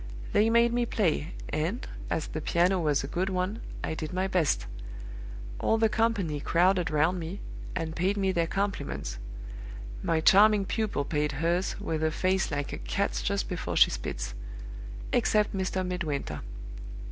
They made me play; and, as the piano was a good one, I did my best. All the company crowded round me, and paid me their compliments (my charming pupil paid hers, with a face like a cat's just before she spits), except Mr. Midwinter.